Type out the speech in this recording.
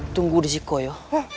tunggu disitu ya